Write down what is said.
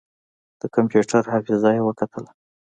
د کمپيوټر حافظه يې وکتله.